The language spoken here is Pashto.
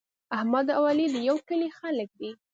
احمد او علي د یوه کلي خلک دي.